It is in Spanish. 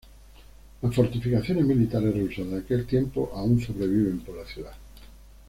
Las fortificaciones militares rusas de aquel tiempo aún sobreviven por la ciudad.